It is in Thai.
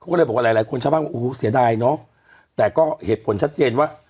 ก็เลยบอกว่าหลายหลายคนชาวบ้านบอกโอ้โหเสียดายเนอะแต่ก็เหตุผลชัดเจนว่า